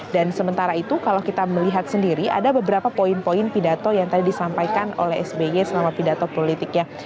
dan sementara itu kalau kita melihat sendiri ada beberapa poin poin pidato yang tadi disampaikan oleh sby selama pidato politiknya